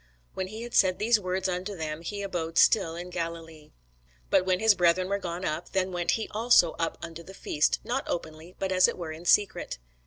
When he had said these words unto them, he abode still in Galilee. But when his brethren were gone up, then went he also up unto the feast, not openly, but as it were in secret.